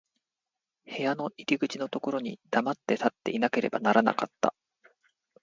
部屋の入口のところに黙って立っていなければならなかった。